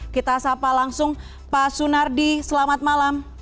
kita sapa langsung pak sunardi selamat malam